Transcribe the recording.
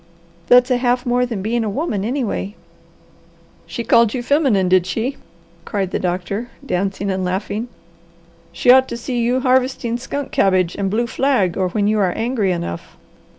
"That's a half more than being a woman, anyway." "She called you feminine, did she?" cried the doctor, dancing and laughing. "She ought to see you harvesting skunk cabbage and blue flag or when you are angry enough."